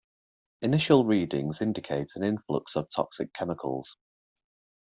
Initial readings indicate an influx of toxic chemicals.